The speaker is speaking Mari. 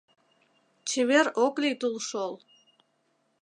Чевер ок лий тулшол.